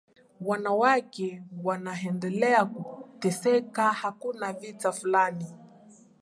wanawake wanaendelea kuteseka hakuna vita fulani